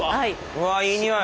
うわいい匂い！